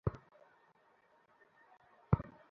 তার প্রেম হয়ে গিয়েছে।